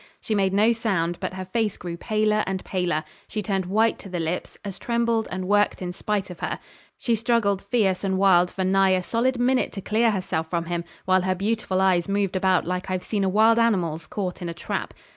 She made no sound, but her face grew paler and paler; she turned white to the lips, as trembled and worked in spite of her. She struggled fierce and wild for nigh a solid minute to clear herself from him, while her beautiful eyes moved about like I've seen a wild animal's caught in a trap.